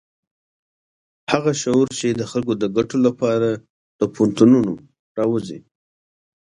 هغه شعور چې د خلکو د ګټو لپاره له پوهنتونونو راوزي.